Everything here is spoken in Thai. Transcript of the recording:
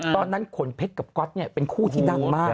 ตอนนั้นคนเพชรกับก๊อตเป็นคู่ที่ดังมาก